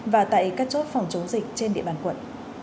và tại các chốt phòng chống dịch trên địa bàn quận